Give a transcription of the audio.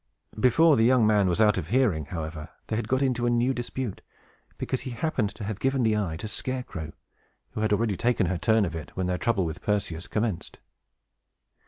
Before the young man was out of hearing, however, they had got into a new dispute, because he happened to have given the eye to Scarecrow, who had already taken her turn of it when their trouble with Perseus commenced.